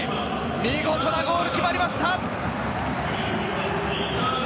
見事なゴールが決まりました。